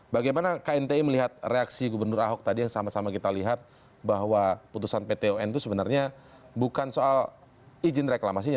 bagaimana knti melihat reaksi gubernur ahok tadi yang sama sama kita lihat bahwa putusan pton itu sebenarnya bukan soal izin reklamasinya